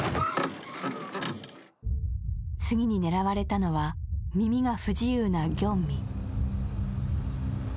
次に狙われたのは耳が不自由なギョンミ。